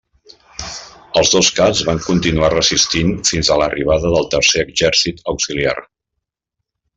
Els dos caps van continuar resistint fins a l'arribada del tercer exèrcit auxiliar.